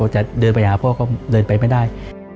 จะเดินไปหาพ่อก็เดินไปไม่ได้